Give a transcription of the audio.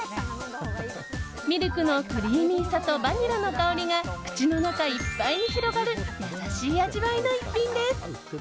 ミルクのクリーミーさとバニラの香りが口の中いっぱいに広がる優しい味わいの一品です。